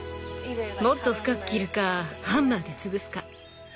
もっと深く切るかハンマーで潰すか。